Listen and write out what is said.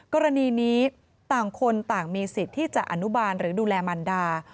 กรณีนี้ต่างคนต่างมีสิทธิ์ที่จะอนุบาลหรือดูแลมันดา